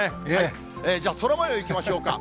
じゃあ、空もよういきましょうか。